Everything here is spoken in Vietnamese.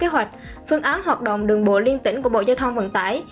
học động đường bộ liên tỉnh của bộ giao thông vận tải